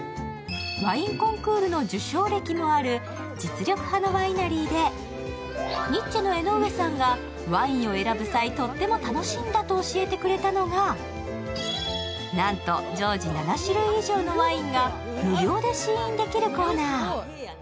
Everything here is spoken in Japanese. ワインコンクールの受賞歴もある実力派のワイナリーでニッチェの江上さんがワインを選ぶ際とっても楽しんだと教えたくれたのがなんと、常時７種類以上のワインが無料で試飲できるコーナー。